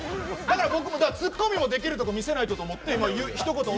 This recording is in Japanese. ツッコミもできるところ見せないとと思って。